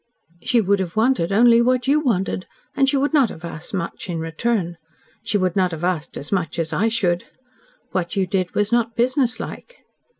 "She would have wanted only what you wanted, and she would not have asked much in return. She would not have asked as much as I should. What you did was not businesslike."